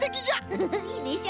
フフフいいでしょ。